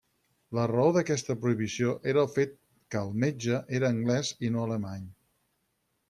La raó d'aquesta prohibició era el fet que el metge era anglès i no alemany.